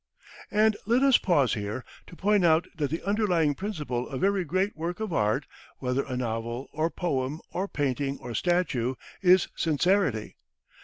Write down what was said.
And let us pause here to point out that the underlying principle of every great work of art, whether a novel or poem or painting or statue, is sincerity.